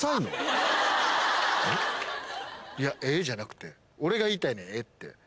じゃなくて俺が言いたいねんえっ？って